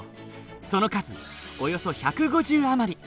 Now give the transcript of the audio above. その数およそ１５０あまり。